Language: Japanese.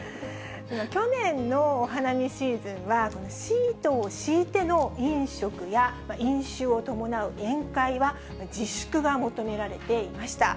去年のお花見シーズンは、シートを敷いての飲食や飲酒を伴う宴会は自粛が求められていました。